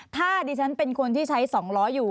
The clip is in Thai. ถ้าดิฉันเป็นคนที่ใช้๒ล้ออยู่